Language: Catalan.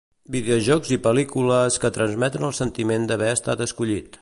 Videojocs i pel·lícules que transmeten el sentiment d'haver estat escollit.